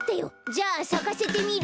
じゃあさかせてみる。